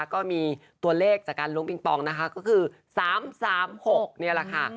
ก็มีตัวเลขจากการล้วงปิงปองนะคะก็คือ๓๓๖นี่แหละค่ะ